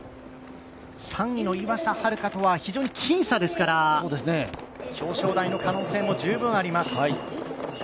３位の岩佐明香とは非常に僅差ですから表彰台の可能性も十分あります。